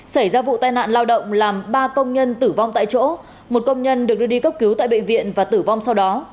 xảy ra vụ tai nạn lao động làm ba công nhân tử vong tại chỗ một công nhân được đưa đi cấp cứu tại bệnh viện và tử vong sau đó